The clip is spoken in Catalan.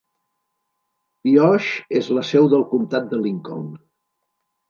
Pioche és la seu del comtat de Lincoln.